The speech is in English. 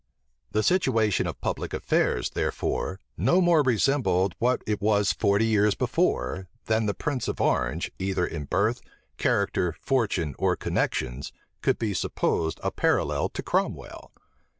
The situation of public affairs, therefore, no more resembled what it was forty years before, than the prince of Orange, either in birth, character, fortune, or connections, could be supposed a parallel to Cromwell.